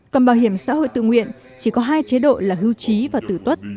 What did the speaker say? còn bảo hiểm xã hội tự nguyện chỉ có hai chế độ là hưu trí và tử tuất